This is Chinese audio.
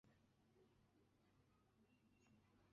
马尼朗贝尔。